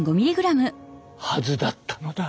はずだったのだ。